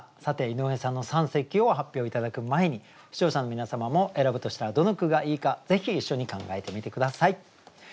さて井上さんの三席を発表頂く前に視聴者の皆様も選ぶとしたらどの句がいいかぜひ一緒に考えてみて下さい。